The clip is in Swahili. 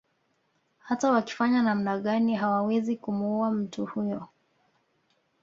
Hata wakifanya namna gani hawawezi kumuua mtu huyo